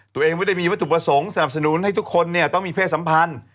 ตัวเองไม่ได้มีวัตถุประสงค์สนับสนุนให้ทุกคนต้องมีเพศสัมพันธ์